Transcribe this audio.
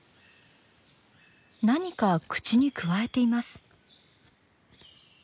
なにか口にくわえています。